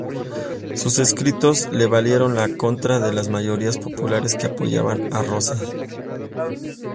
Sus escritos le valieron la contra de las mayorías populares que apoyaban a Rosas.